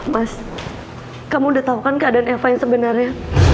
mas kamu udah tahu kan keadaan eva yang sebenarnya